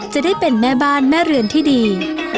จะได้เป็นแม่บ้านแม่เรือนที่ดี